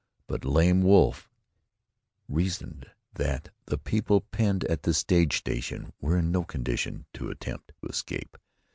But Lame Wolf reasoned that the people penned at the stage station were in no condition to attempt escape.